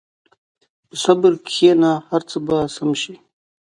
په صبر کښېنه، هر څه به سم شي.